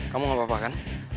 kamu gak apa apa kan